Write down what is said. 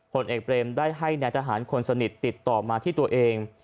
ผลเอกเบรมได้ให้นายทหารคนสนิทติดต่อมาที่ตัวเอง